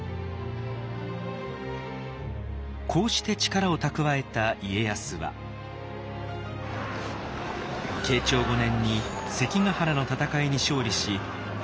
こうして力を蓄えた家康は慶長５年に関ヶ原の戦いに勝利し天下統一を果たします。